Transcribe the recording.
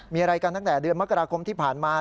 มีอะไรกันตั้งแต่เดือนมกราคมที่ผ่านมา